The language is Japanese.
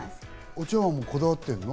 お茶わんもこだわってるの？